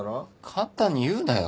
簡単に言うなよ。